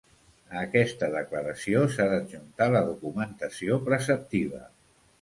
A aquesta declaració s'ha d'adjuntar la documentació preceptiva.